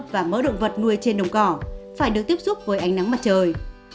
và mỡ động vật nuôi trên đồng cỏ phải được tiếp xúc với ánh nắng mặt trời